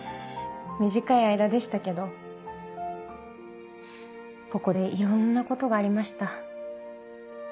短い間でしたけどここでいろんなことがありました。